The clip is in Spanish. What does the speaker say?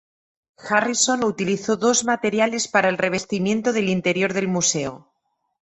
Harrison utilizó dos materiales para el revestimiento del interior del museo.